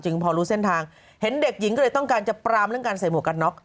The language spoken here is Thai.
พอรู้เส้นทางเห็นเด็กหญิงก็เลยต้องการจะปรามเรื่องการใส่หมวกกันน็อก